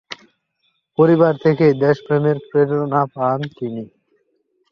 পরিবার থেকেই দেশ প্রেমের প্রেরণা পান তিনি।